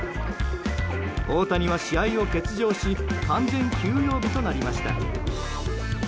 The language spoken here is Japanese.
大谷は試合を欠場し完全休養日となりました。